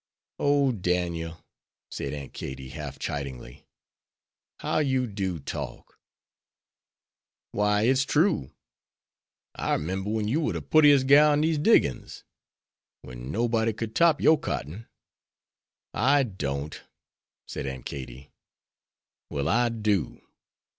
"O, Daniel," said Aunt Katie, half chidingly, "how you do talk." "Why, it's true. I 'member when you war de puttiest gal in dese diggins; when nobody could top your cotton." "I don't," said Aunt Katie. "Well, I do.